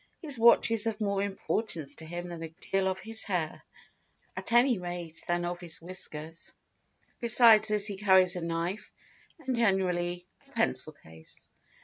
His watch is of more importance to him than a good deal of his hair, at any rate than of his whiskers; besides this he carries a knife, and generally a pencil case.